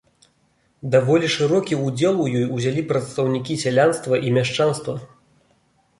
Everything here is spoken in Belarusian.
Даволі шырокі ўдзел у ёй узялі прадстаўнікі сялянства і мяшчанства.